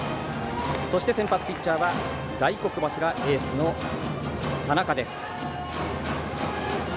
先発ピッチャーは大黒柱、エースの田中です。